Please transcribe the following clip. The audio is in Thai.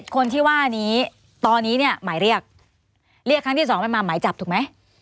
คนที่ว่านี้ตอนนี้เนี่ยหมายเรียกเรียกครั้งที่๒มันมาหมายจับถูกไหม